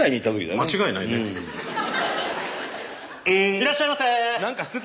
いらっしゃいませ。